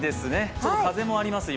ちょっと風もあります、今。